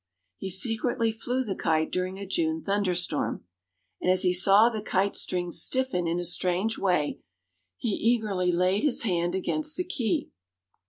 He secretly flew the kite during a June thunderstorm. And as he saw the kite string stiffen in a strange way, he eagerly laid his hand against the key.